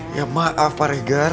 ya maaf pak regar